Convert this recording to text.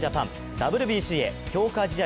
ＷＢＣへ、強化試合